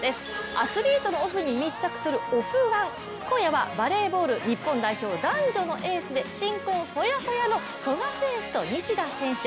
アスリートのオフに密着する「オフ☆１」、今夜はバレーボール日本代表男女のエースで新婚ほやほやの古賀選手と西田選手。